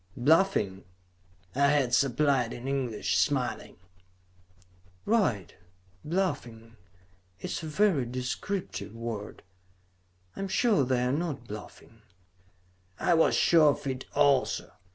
"Bluffing?" I had supplied in English, smiling. "Right! Bluffing. It is a very descriptive word. I am sure they are not bluffing." I was sure of it also.